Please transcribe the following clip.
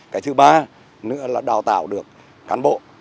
cái thứ ba nữa là đào tạo được cán bộ